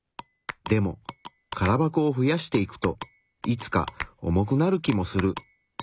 でも空箱を増やしていくといつか重くなる気もする。